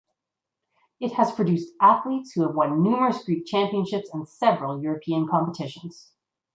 It has produced athletes who have won numerous Greek championships and several European competitions.